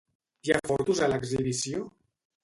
Hi ha fotos a l'exhibició?